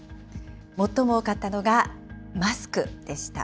最も多かったのが、マスクでした。